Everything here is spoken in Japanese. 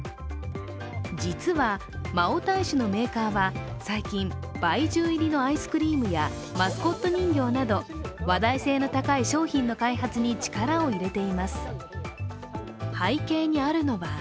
実は、マオタイ酒のメーカーは最近、白酒入りのアイスクリームやマスコット人形など話題性の高い商品の開発に力を入れています。